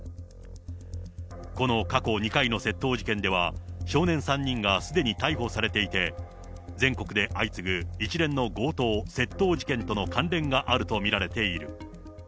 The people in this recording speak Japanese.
この過去２回の窃盗事件では、少年３人がすでに逮捕されていて、全国で相次ぐ一連の強盗、窃盗事件との関連があると見られている。